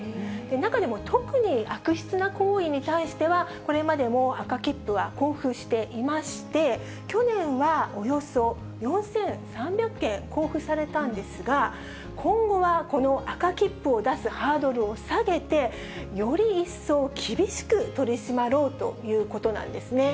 中でも特に悪質な行為に対しては、これまでも赤切符は交付していまして、去年はおよそ４３００件交付されたんですが、今後はこの赤切符を出すハードルを下げて、より一層厳しく取り締まろうということなんですね。